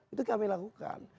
itu kami lakukan